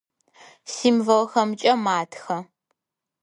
Символхэмкӏэ матхэ.